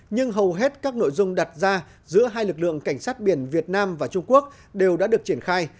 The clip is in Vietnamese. nhưng hầu hết các nội dung đặt ra giữa hai lực lượng cảnh sát biển việt nam và trung quốc đều đã được triển khai